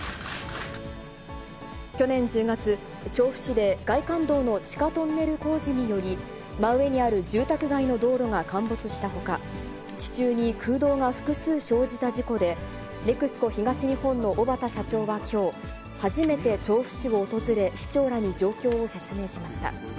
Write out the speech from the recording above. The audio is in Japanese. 去年１０月、調布市で外環道の地下トンネル工事により、真上にある住宅街の道路が陥没したほか、地中に空洞が複数生じた事故で、ＮＥＸＣＯ東日本の小畠社長はきょう、初めて調布市を訪れ、市長らに状況を説明しました。